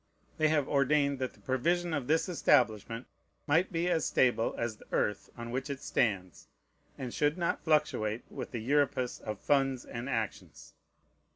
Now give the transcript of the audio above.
They have ordained that the provision of this establishment might be as stable as the earth on which it stands, and should not fluctuate with the Euripus of funds and actions.